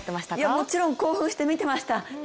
もちろん、興奮してみてました。